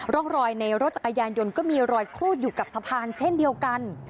ร่องรอยในรถจักรยานยนต์ก็มีรอยครูดอยู่กับสะพานเช่นเดียวกัน